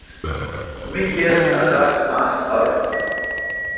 می کیر اؘ کاس ماس اوٹ۔